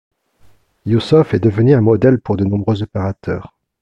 Ioussov est devenu un modèle pour de nombreux opérateurs.